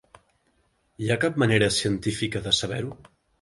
Hi ha cap manera científica de saber-ho?